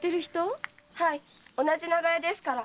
はい同じ長屋ですから。